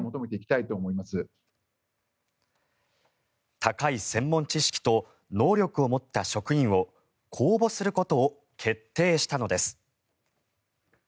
高い専門知識と能力を持った職員を公募することを決定したのです。